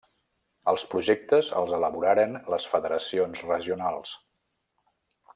Els projectes els elaboraren les federacions regionals.